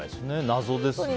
謎ですね。